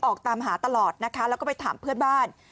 ออกตามหาตลอดนะคะแล้วก็ไปถามเพื่อนบ้าน